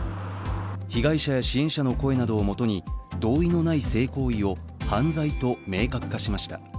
被害者や支援者の声などをもとに同意のない性行為を犯罪と明確化しました。